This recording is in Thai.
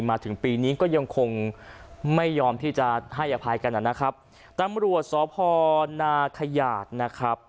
มาถึงปีนี้ก็ยังคงไม่ยอมที่จะให้อภัยกันนะครับตำรวจสพนาขยาดนะครับ